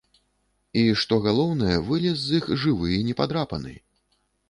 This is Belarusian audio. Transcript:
І, што галоўнае, вылез з іх жывы і непадрапаны!